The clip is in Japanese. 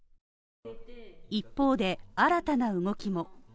一方で、新たな動きも。